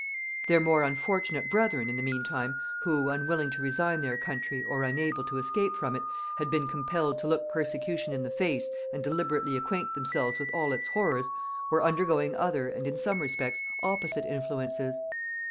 Their more unfortunate brethren, in the mean time, who, unwilling to resign their country, or unable to escape from it, had been compelled to look persecution in the face and deliberately acquaint themselves with all its horrors, were undergoing other and in some respects opposite influences.